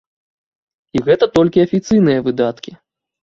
І гэта толькі афіцыйныя выдаткі.